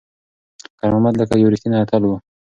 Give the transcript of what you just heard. خیر محمد لکه یو ریښتینی اتل و.